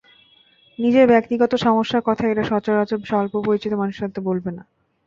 নিজের ব্যক্তিগত সমস্যার কথা এরা সচরাচর স্বল্প পরিচিত মানুষের সামনে বলবে না।